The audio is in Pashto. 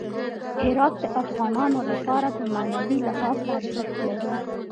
هرات د افغانانو لپاره په معنوي لحاظ ارزښت لري.